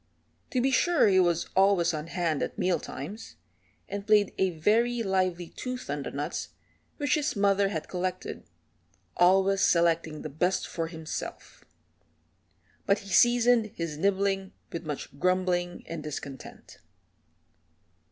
To be sure he was always on hand at meal times, and played a very lively tooth on the nuts which his mother had collected, always selecting the best for himself. But he seasoned his nibbling with much grumbling and discontent.